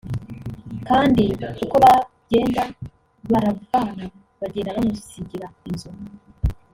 kandi ko uko bagenda baravana bagenda bamusigira inzu